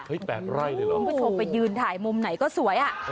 ไปชมไปยืนถ่ายมุมไหนก็สวย